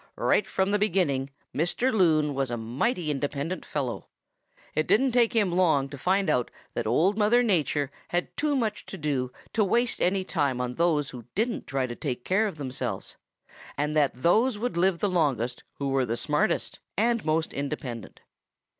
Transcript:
"Right from the beginning Mr. Loon was a mighty independent fellow. It didn't take him long to find out that Old Mother Nature had too much to do to waste any time on those who didn't try to take care of themselves, and that those would live longest who were smartest and most independent.